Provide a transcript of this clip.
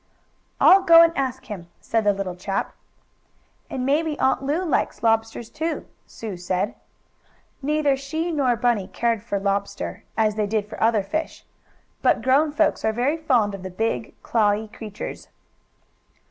"I'll go and ask him," said the little chap. "And maybe Aunt Lu likes lobsters, too," Sue said. Neither she nor Bunny cared for lobster, as they did for other fish. But grown folks are very fond of the big, clawy creatures.